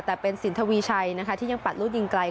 แต่เป็นสินทวีชายที่ยังปัดรุ่นยิงไกล